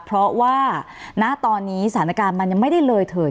เพราะว่าณตอนนี้สถานการณ์มันยังไม่ได้เลยเถิด